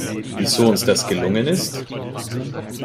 Wieso uns das gelungen ist?